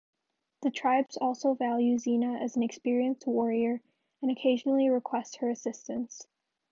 The tribes also value Xena as an experienced warrior, and occasionally request her assistance.